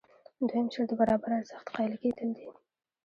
دویم شرط د برابر ارزښت قایل کېدل دي.